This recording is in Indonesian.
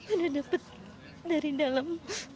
ada dapat dari dalam